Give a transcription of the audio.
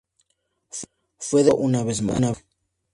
Fue derrocado una vez más.